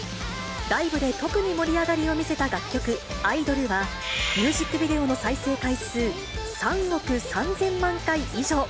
ライブで特に盛り上がりを見せた楽曲、アイドルは、ミュージックビデオの再生回数、３億３０００万回以上。